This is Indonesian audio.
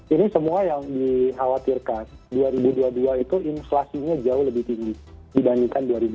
ini semua yang dikhawatirkan dua ribu dua puluh dua itu inflasinya jauh lebih tinggi dibandingkan dua ribu dua puluh